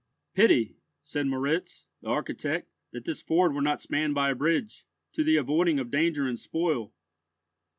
"Pity," said Moritz, the architect, "that this ford were not spanned by a bridge, to the avoiding of danger and spoil."